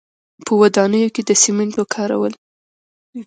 په ودانیو کې د سیمنټو کارول.